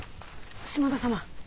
島田様。